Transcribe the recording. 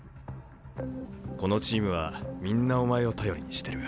このチームはみんなお前を頼りにしてる。